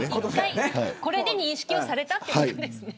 これで認識されたということですね。